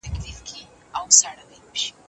هغه خپلو عسکرو ته د شا تګ درواغجن امر وکړ.